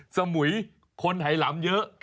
สมุยคนไหลำเยอะ